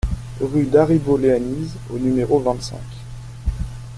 Rue Daribo Leanise au numéro vingt-cinq